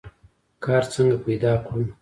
کار څنګه پیدا کړو؟